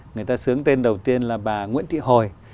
người ta sướng tên đầu tiên là bà nguyễn thị hồi